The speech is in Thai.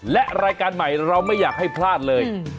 และรายการใหม่เราไม่อยากให้พลาดเลย